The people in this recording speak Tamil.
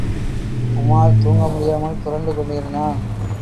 உமார் தூங்க முடியாமல் புரண்டு கொண்டிருந்தான்.